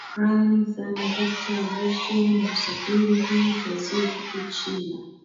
kran sana victor abuso na safari hii twazie huko china